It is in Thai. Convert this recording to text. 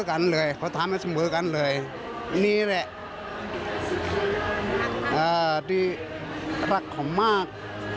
อ่าดีรักของมาก